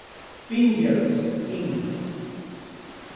Fingers, Inc.